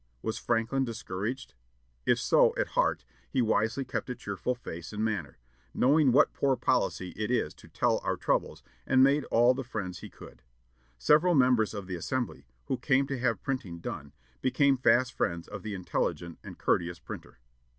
Was Franklin discouraged? If so at heart, he wisely kept a cheerful face and manner, knowing what poor policy it is to tell our troubles, and made all the friends he could. Several members of the Assembly, who came to have printing done, became fast friends of the intelligent and courteous printer.